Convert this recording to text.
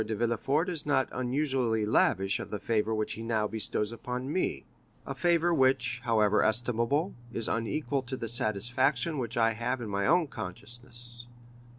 de Villefort is not usually lavish of the favor which he now bestows on me,—a favor which, however estimable, is unequal to the satisfaction which I have in my own consciousness."